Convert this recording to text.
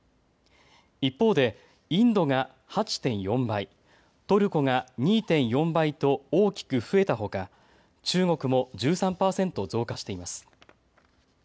一方でインドが８．４倍、トルコが２．４倍と大きく増えたほか、中国も１３％増加しています。